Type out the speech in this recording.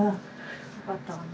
よかったわね。